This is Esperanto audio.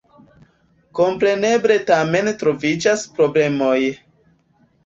Kompreneble tamen troviĝas problemoj.